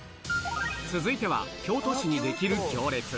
続いては、京都市に出来る行列。